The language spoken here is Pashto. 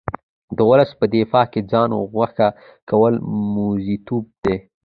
د ولس په دفاع کې ځان ګوښه کول موزیتوب دی.